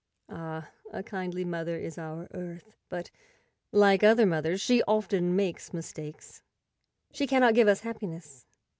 Ah, a kindly mother is our Earth, but, like other mothers, she often makes mistakes. She cannot give us happiness.